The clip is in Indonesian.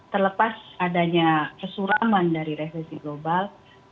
terlepas adanya kesuraman dari resesi global